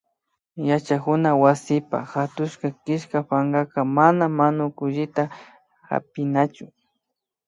Yachakuna wasipa hatushka killka pankaka mana manukullita hapinachu